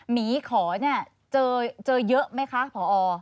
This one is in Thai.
หมีขอเนี่ยเจอเยอะไหมคะพอ